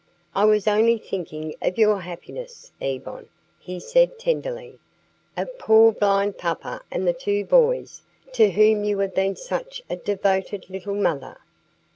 "I was only thinking of your happiness, Yvonne," he said tenderly; "of poor blind papa and the two boys to whom you have been such a devoted little mother.